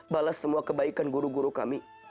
balas semua kebaikan guru guru kami